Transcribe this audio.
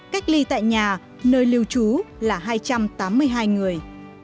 cách ly tại nhà nơi lưu trú là hai trăm tám mươi hai người